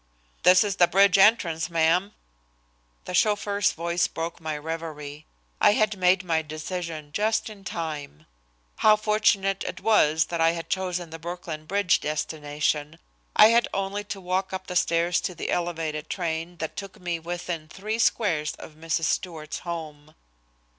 "This is the bridge entrance, ma'am." The chauffeur's voice broke my revery. I had made my decision just in time. How fortunate it was that I had chosen the Brooklyn Bridge destination! I had only to walk up the stairs to the elevated train that took me within three squares of Mrs. Stewart's home.